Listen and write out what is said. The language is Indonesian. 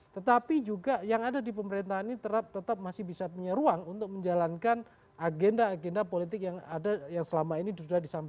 tetapi juga yang ada di pemerintahan ini tetap masih bisa punya ruang untuk menjalankan agenda agenda politik yang ada yang selama ini sudah disampaikan